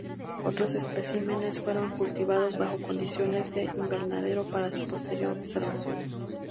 Otros especímenes fueron cultivados bajo condiciones de invernadero para su posterior observación.